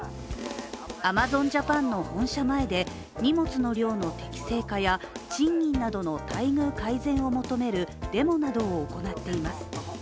アマゾンジャパンの本社前で荷物の量の適正化や賃金などの待遇改善を求めるデモなどを行っています。